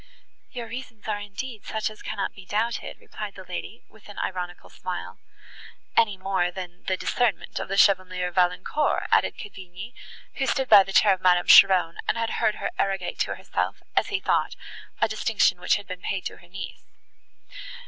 "Your reasons are indeed such as cannot be doubted," replied the lady, with an ironical smile. "Any more than the discernment of the Chevalier Valancourt," added Cavigni, who stood by the chair of Madame Cheron, and had heard her arrogate to herself, as he thought, a distinction which had been paid to her niece.